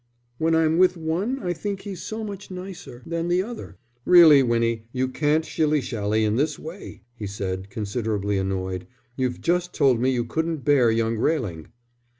"When I'm with one I think he's so much nicer than the other." "Really, Winnie, you can't shilly shally in this way," he said, considerably annoyed. "You've just told me you couldn't bear young Railing."